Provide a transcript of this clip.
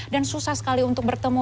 dan susah sekali untuk bertemu